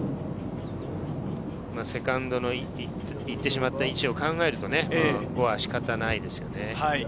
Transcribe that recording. セカンドの行ってしまった位置を考えると、ここは仕方ないですよね。